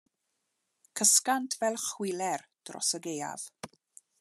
Cysgant fel chwiler dros y gaeaf.